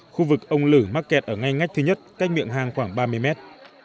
khu vực ông lử mắc kẹt ở ngay ngách thứ nhất cách miệng hang khoảng ba mươi mét